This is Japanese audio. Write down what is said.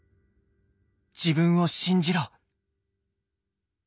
自分を信じろ。